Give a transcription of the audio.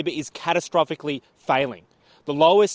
perusahaan di australia terlalu berlebihan